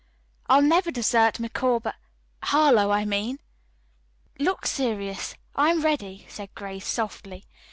"I'll never desert Micawber Harlowe, I mean." "Look serious. I am ready," said Grace softly.